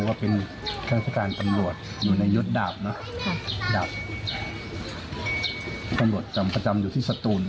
ก็เป็นทางศักดิ์การกำลวดอยู่ในยศดาบนะค่ะดาบกำลวดจำประจำอยู่ที่สตูน